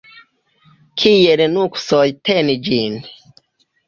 Kiel nuksoj teni ĝin?